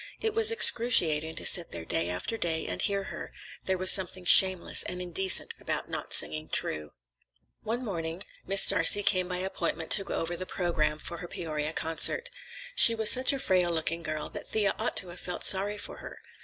It was excruciating to sit there day after day and hear her; there was something shameless and indecent about not singing true. One morning Miss Darcey came by appointment to go over the programme for her Peoria concert. She was such a frail looking girl that Thea ought to have felt sorry for her.